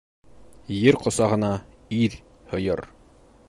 Ер ҡосағына ир һыйыр